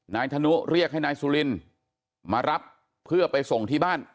นายธนุเรียกให้นายสุรินมารับเพื่อไปส่งที่บ้าน